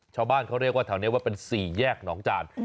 ชาวบ้านเขาเรียกว่าแถวนี้ว่าเป็น๔แยกหนองจาน